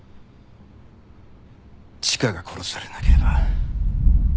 チカが殺されなければ。